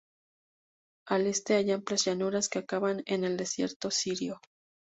Al este hay amplias llanuras que acaban en el desierto sirio.